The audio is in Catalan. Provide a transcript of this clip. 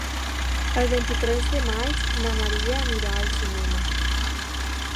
El vint-i-tres de maig na Maria anirà al cinema.